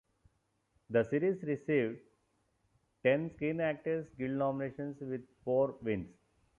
The series received ten Screen Actors Guild nominations with four wins.